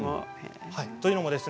というのも